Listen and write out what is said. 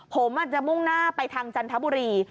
ผมอาจจะมุ่งหน้าไปทางจันทบุรี